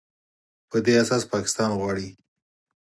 په دې اساس پاکستان غواړي